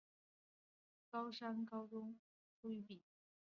丽山高中校歌歌词亦出于其手笔。